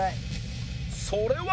それは